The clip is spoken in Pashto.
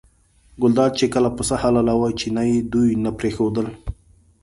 ګلداد چې کله پسه حلالاوه چیني دوی نه پرېښودل.